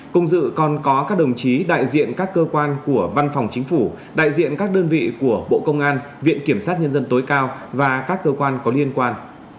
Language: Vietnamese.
cùng dự còn có các đồng chí đại diện các cơ quan của văn phòng chính phủ đại diện các đơn vị của bộ công an viện kiểm sát nhân dân tối cao và các cơ quan có liên quan